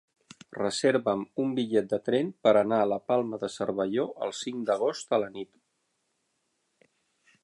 Reserva'm un bitllet de tren per anar a la Palma de Cervelló el cinc d'agost a la nit.